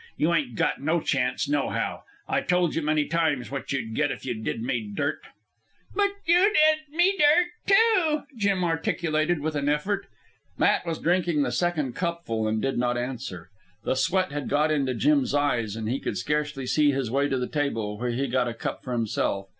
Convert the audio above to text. You ain't got no chance, nohow. I told you many times what you'd get if you did me dirt." "But you did me dirt, too," Jim articulated with an effort. Matt was drinking the second cupful, and did not answer. The sweat had got into Jim's eyes, and he could scarcely see his way to the table, where he got a cup for himself.